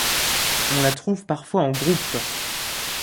On la trouve parfois en groupes.